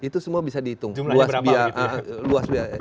jumlahnya berapa gitu ya